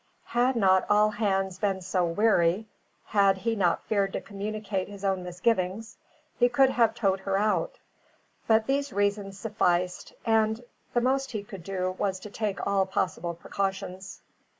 Had not all hands been so weary, had he not feared to communicate his own misgivings, he could have towed her out. But these reasons sufficed, and the most he could do was to take all possible precautions.